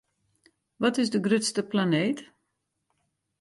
Wat is de grutste planeet?